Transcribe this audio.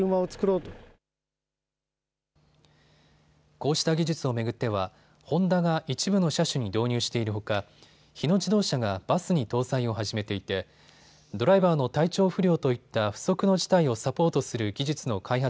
こうした技術を巡ってはホンダが一部の車種に導入しているほか日野自動車がバスに搭載を始めていてドライバーの体調不良といった不測の事態をサポートする技術の開発